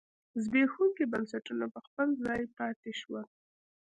زبېښونکي بنسټونه په خپل ځای پاتې شول.